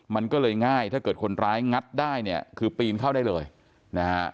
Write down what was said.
มันก็เลยง่ายถ้าเกิดคนร้ายงัดได้เนี่ยคือปีนเข้าได้เลยนะฮะ